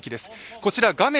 こちら画面